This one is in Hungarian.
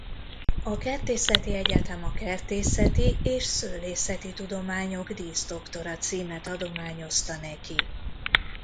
A Kertészeti Egyetem a kertészeti és szőlészeti tudományok díszdoktora címet adományozta neki.